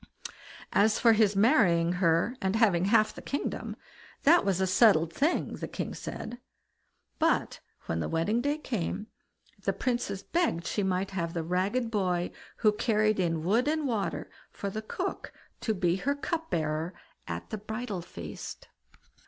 As for his marrying her, and having half the kingdom, that was a settled thing, the king said. But when the wedding day came, the Princess begged she might have the ragged boy who carried in wood and water for the cook to be her cup bearer at the bridal feast.